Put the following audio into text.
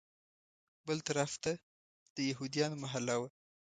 بل طرف ته د یهودیانو محله وه.